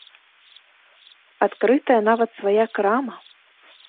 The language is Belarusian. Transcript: Адкрытая нават свая крама!